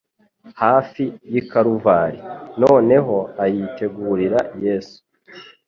hafi y'i Karuvali. Noneho ayitegurira Yesu.